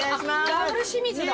ダブル清水だ。